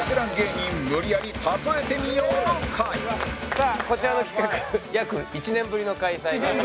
さあこちらの企画約１年ぶりの開催。